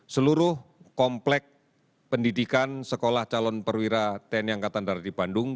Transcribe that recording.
seluruh komplek pendidikan sekolah calon perwira tni angkatan darat di bandung